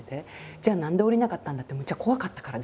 じゃあ何で下りなかったんだ？ってむっちゃ怖かったからです